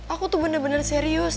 aku tuh bener bener serius